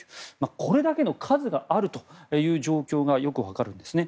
これだけの数があるという状況がよく分かるんですね。